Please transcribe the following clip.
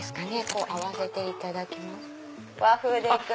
こう合わせていただきますと。